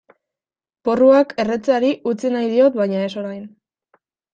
Porruak erretzeari utzi nahi diot baina ez orain.